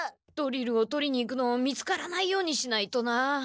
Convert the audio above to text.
ドリルを取りに行くの見つからないようにしないとな。